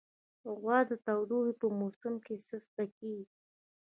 غوا د تودوخې په موسم کې سسته کېږي.